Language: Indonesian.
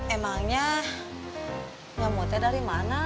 emangnya nyomutnya dari mana